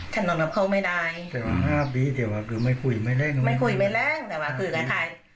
ฉันอนกับเขาไม่ได้แต่ว่าห้าปีเดี๋ยวว่าคือไม่คุยไม่แรงไม่คุยไม่แรงแต่ว่าคือคล้ายคล้าย